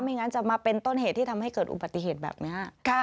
งั้นจะมาเป็นต้นเหตุที่ทำให้เกิดอุบัติเหตุแบบนี้